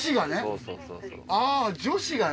あ女子がね。